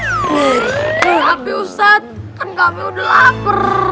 tapi ustad kan kami udah lapar